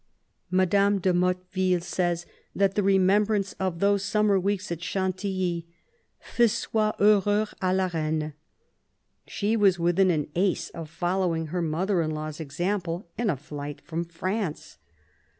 Madame de Motteville says that the remembrance of those summer weeks at Chantilly "faisoit horreur a la Reine." She was within an ace of following her mother in law's example in a flight from France.